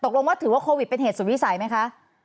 ว่าถือว่าโควิดเป็นเหตุสุดวิสัยไหมคะ